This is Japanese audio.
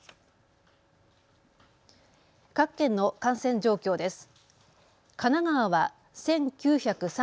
各県の感染状況です。